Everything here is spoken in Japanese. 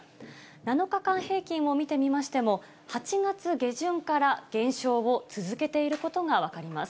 ７日間平均を見てみましても、８月下旬から減少を続けていることが分かります。